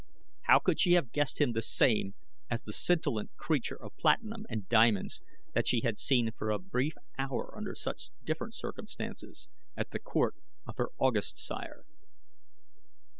How could she have guessed him the same as the scintillant creature of platinum and diamonds that she had seen for a brief hour under such different circumstances at the court of her august sire?